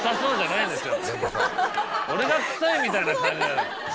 俺が臭いみたいな感じじゃない。